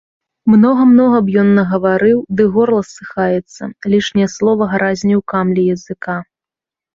Многа-многа б ён нагаварыў, ды горла ссыхаецца, лішняе слова гразне ў камлі языка.